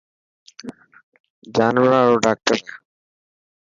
جانوران رو ڊاڪٽر هي.